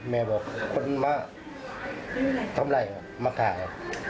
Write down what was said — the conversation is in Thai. แม่บอกคนมาทำอะไรมาขาย